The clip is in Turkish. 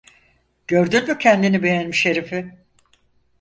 Gördün mü kendini beğenmiş herifi?